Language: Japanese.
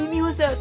私。